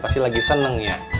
pasti lagi seneng ya